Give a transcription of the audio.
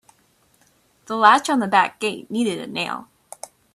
The latch on the back gate needed a nail.